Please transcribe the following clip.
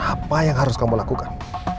apa yang harus kamu lakukan